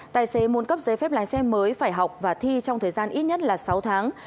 tài xế muốn cấp giấy phép lái xe mới phải học và thi trong thời gian ít nhất là sáu tháng